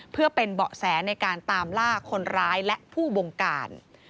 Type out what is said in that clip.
เพื่อเป็นเบาะแสในการตามล่าคนร้ายและผู้บงการ